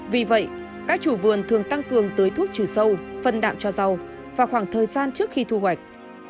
vì vậy các chủ vườn thường tăng cường tưới thuốc trừ sâu phân đạm cho rau và khoảng thời gian trước khi thu hoạch